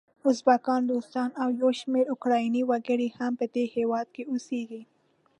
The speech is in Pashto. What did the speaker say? ازبکان، روسان او یو شمېر اوکرایني وګړي هم په دې هیواد کې اوسیږي.